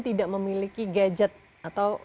tidak memiliki gadget atau